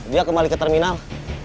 dia kembali ke terminal